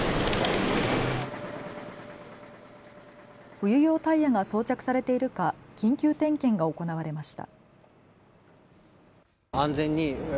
冬用タイヤが装着されているか緊急点検が行われました。